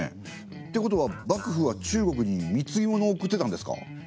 ってことは幕府は中国に貢物を贈ってたんですか？